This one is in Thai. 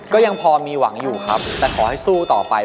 ก็ยังพอมีหวังอยู่ครับแต่ขอให้สู้ต่อไป